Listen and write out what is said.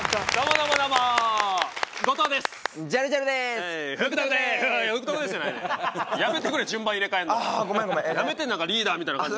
なんかリーダーみたいな感じ。